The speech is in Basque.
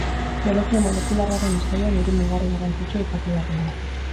Biologia molekularraren historian hiru mugarri garrantzitsu aipatu behar dira.